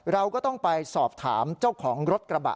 เราก็ต้องไปสอบถามเจ้าของรถกระบะ